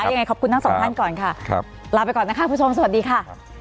ยังไงขอบคุณทั้งสองท่านก่อนค่ะครับลาไปก่อนนะคะคุณผู้ชมสวัสดีค่ะ